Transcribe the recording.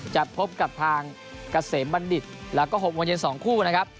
จะพบกับทางเกษมบัณฑิตแล้วก็๖โมงเย็น๒คู่นะครับ